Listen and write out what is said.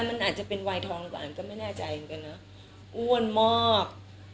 มันอาจจะเป็นวายทองก่อนก็ไม่แน่ใจเหมือนกันเนอะอ้วนมาก